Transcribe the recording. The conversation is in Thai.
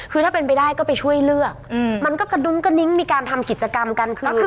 คือถ้าเป็นไปได้ก็ไปช่วยเลือกมันก็กระดุ้งกระนิ้งมีการทำกิจกรรมกันคือ